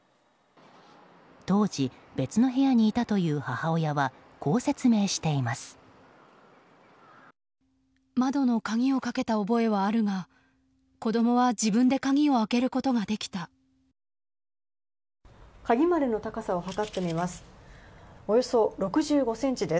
当時別の部屋にいたという母親はこう説明しています。